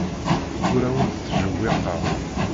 Ur awent-ttjewwiqeɣ.